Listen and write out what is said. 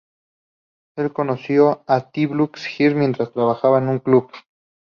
Él conoció a The Blue Hearts, mientras trabajaba en un club.